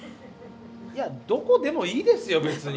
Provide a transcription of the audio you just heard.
いやどこでもいいですよ別に。